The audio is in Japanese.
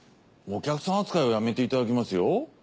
お客さん扱いはやめていただきますよ。